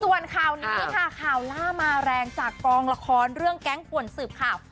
ส่วนข่าวนี้ค่ะข่าวล่ามาแรงจากกองละครเรื่องแก๊งป่วนสืบข่าว